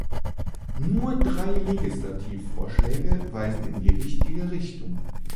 Nur drei Legislativvorschläge weisen in die richtige Richtung.